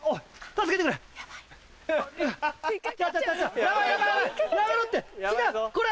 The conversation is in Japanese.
助けてくれ！